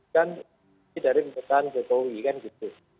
dan dari pemerintahan jokowi kan gitu